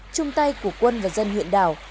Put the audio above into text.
chung tay của quân và dân huyện đảo